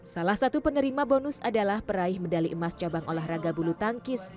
salah satu penerima bonus adalah peraih medali emas cabang olahraga bulu tangkis